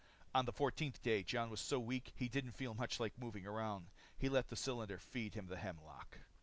On the fourteenth day, Jon was so weak he didn't feel much like moving around. He let the cylinder feed him the hemlock.